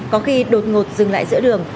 có khi đột ngột dừng lại giữa đường